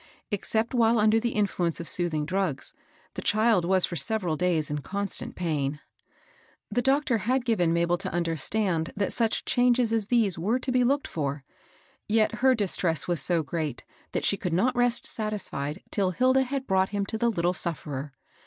Except while under the influ ence of soothing drugs, the child was for several days in constant pain. The doctor had given Ma bel to understand that such changes as these were to be looked for ; yet her distress was so great that she could not rest satisfied till Hilda had brought him to the little sufferer.